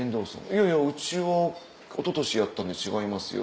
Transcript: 「いやいやうちはおととしやったんで違いますよ」。